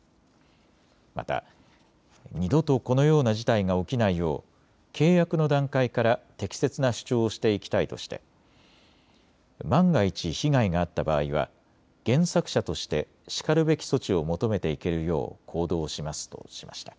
また、二度とこのような事態が起きないよう契約の段階から適切な主張をしていきたいとして万が一、被害があった場合は原作者として、しかるべき措置を求めていけるよう行動しますとしました。